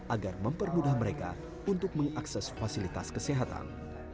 agar mempermudah mereka untuk mengakses fasilitas kesehatan